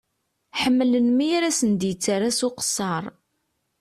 Ḥemmlen mi ara sen-d-yettara s uqesser.